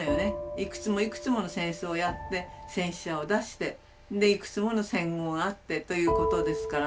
いくつもいくつもの戦争をやって戦死者を出してでいくつもの戦後があってということですから。